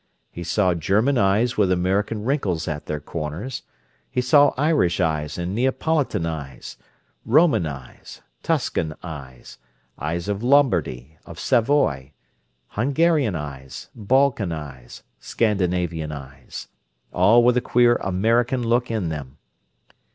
He saw German eyes with American wrinkles at their corners; he saw Irish eyes and Neapolitan eyes, Roman eyes, Tuscan eyes, eyes of Lombardy, of Savoy, Hungarian eyes, Balkan eyes, Scandinavian eyes—all with a queer American look in them.